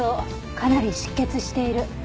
かなり出血している。